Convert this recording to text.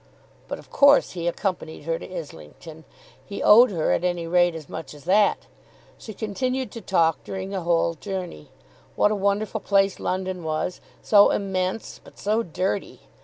But of course he accompanied her to Islington. He owed her at any rate as much as that. She continued to talk during the whole journey. What a wonderful place London was, so immense, but so dirty!